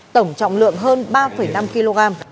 tổng trọng lượng hơn ba năm kg